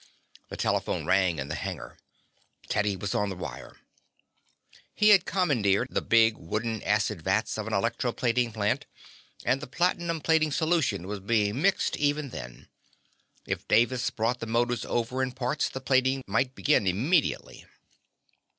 The telephone rang in the hangar. Teddy was on the wire. He had commandeered the big wooden acid vats of an electro plating plant, and the platinum plating solution was being mixed even then. If Davis brought the motors over in parts, the plating might begin immediately.